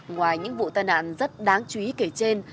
ngoài những vụ tai nạn rất đáng chú ý kể trên